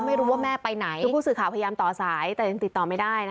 ไม่รู้ว่าแม่ไปไหนคือผู้สื่อข่าวพยายามต่อสายแต่ยังติดต่อไม่ได้นะ